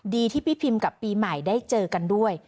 ที่พี่พิมกับปีใหม่ได้เจอกันด้วย